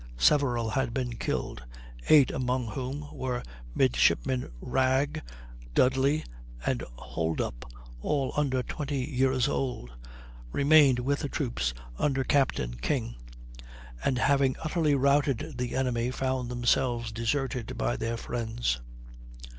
Several had been killed; eight, among whom were Midshipmen Wragg, Dudley, and Holdup, all under 20 years old, remained with the troops under Captain King, and having utterly routed the enemy found themselves deserted by their friends.